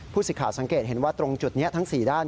สิทธิ์สังเกตเห็นว่าตรงจุดนี้ทั้ง๔ด้าน